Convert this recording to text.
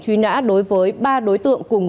truy nã đối với ba đối tượng cùng